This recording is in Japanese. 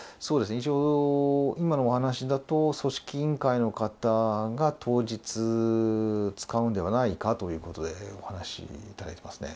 一応、今のお話だと、組織委員会の方が当日使うんではないかということで、お話いただいてますね。